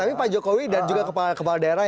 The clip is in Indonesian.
tapi pak jokowi dan juga kepala kepala daerah